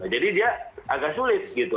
jadi dia agak sulit gitu